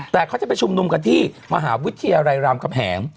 แต่เขาจะไปชุมนุมกันที่มหาวิทยาลัยรามคำแหง